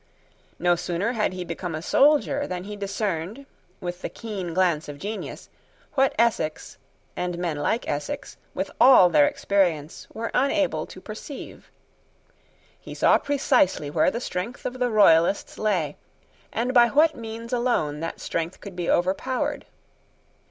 No sooner had he become a soldier than he discerned, with the keen glance of genius, what Essex, and men like Essex, with all their experience, were unable to perceive. He saw precisely where the strength of the Royalists lay, and by what means alone that strength could be overpowered.